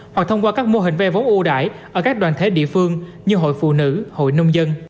hoặc thông qua các mô hình vay vốn ưu đại ở các đoàn thể địa phương như hội phụ nữ hội nông dân